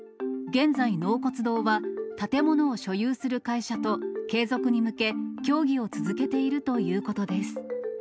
現在、納骨堂は建物を所有する会社と継続に向け、協議を続けているということです。